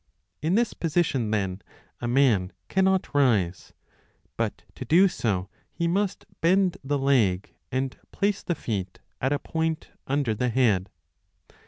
In 35 this position, then, a man cannot rise ; but to do so he must bend the leg and place the feet at a point under the head.